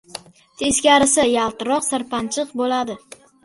Teskarisi yaltiroq, sirpanchiq bo‘ladi.